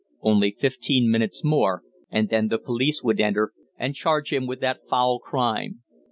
Only fifteen minutes more, and then the police would enter and charge him with that foul crime.